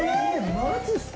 マジっすか？